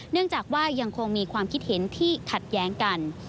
เนื่องจากว่ายังคงมีความคิดเห็นที่ขัดแย้งกัน